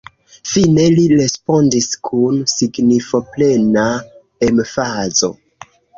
Fine li respondis kun signifoplena emfazo: